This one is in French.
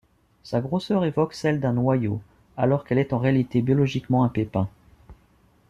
Sa grosseur évoque celle d'un noyau, alors qu'elle est en réalité biologiquement un pépin.